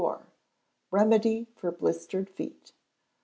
Remedy for Blistered Feet.